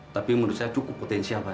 tapi menurut saya cukup potensial pak